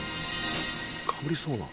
かぶりそうな。